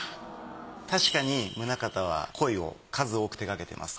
確かに棟方はコイを数多く手がけてます。